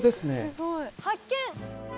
すごい発見！